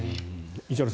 石原さん